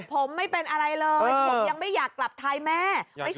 ผมไม่เป็นอะไรเลยผมยังไม่อยากกลับไทยแม่